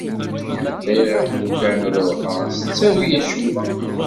Bɣiɣ lukan ad ruḥeɣ s ttawil acemma.